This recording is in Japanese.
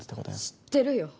知ってるよ。